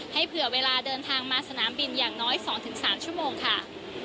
เผื่อเวลาเดินทางมาสนามบินอย่างน้อย๒๓ชั่วโมงค่ะ